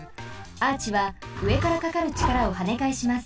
アーチは上からかかるちからをはねかえします。